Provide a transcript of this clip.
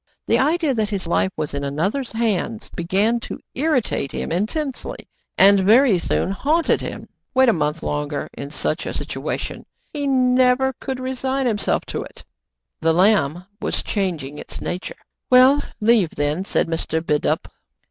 The idea that his life was in another's hands began to irritate him intensely, and very soon haunted him. Wait a month longer in such a situation ! He never could resign him self to it. I 114 TRIBULATIONS OF A CHINAMAN. The lamb was changing its nature. '* Well, leave then/* said Mr. Bidulph.